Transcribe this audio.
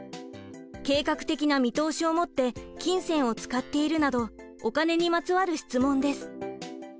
「計画的な見通しを持って金銭を使っている」などお金にまつわる質問です。